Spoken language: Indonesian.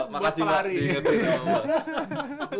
makasih gak diinget inget sama gue